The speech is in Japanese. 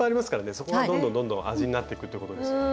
そこはどんどんどんどん味になっていくってことですもんね。